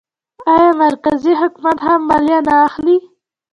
آیا مرکزي حکومت هم مالیه نه اخلي؟